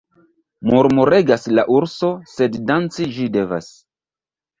Murmuregas la urso, sed danci ĝi devas.